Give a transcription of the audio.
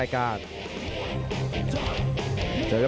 หมดยกที่สองครับ